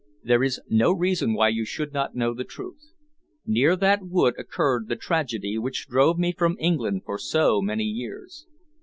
"There is no reason why you should not know the truth. Near that wood occurred the tragedy which drove me from England for so many years."